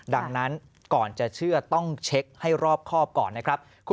ดังนั้นก่อนจะเชื่อต้องเช็คให้รอบครอบก่อนนะครับ